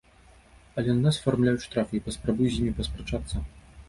Але на нас афармляюць штрафы, і паспрабуй з імі паспрачацца!